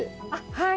はい。